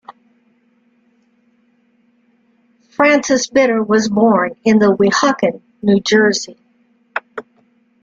Francis Bitter was born in the Weehawken, New Jersey.